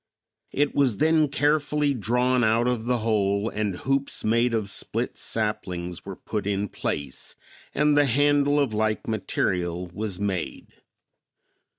It was then carefully drawn out of the hole and hoops made of split saplings were put in place, and the handle of like material was made.